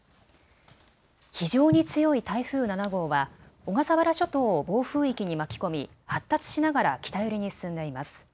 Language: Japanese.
非常に強い台風７号は小笠原諸島を暴風域に巻き込み発達しながら北寄りに進んでいます。